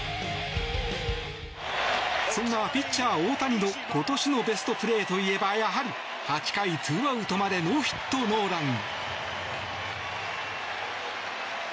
そんなピッチャー大谷の今年のベストプレーといえばやはり８回ツーアウトまでノーヒットノーラン。